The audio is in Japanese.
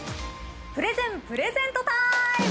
プレゼンプレゼントタイム！